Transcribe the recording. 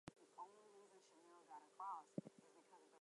The cold stream reverser system is activated by an air motor.